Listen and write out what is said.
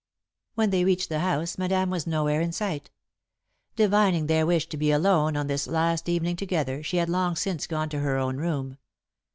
When they reached the house, Madame was nowhere in sight. Divining their wish to be alone on this last evening together, she had long since gone to her own room.